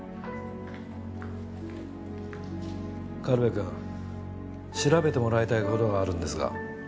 軽部くん調べてもらいたいことがあるんですが。